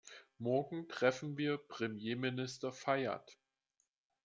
Morgen treffen wir Premierminister Fayyad.